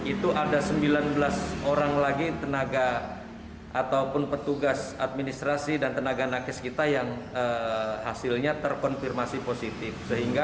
itu ada sembilan belas orang lagi tenaga ataupun petugas administrasi dan tenaga nakis kita yang hasilnya terkonfirmasi positif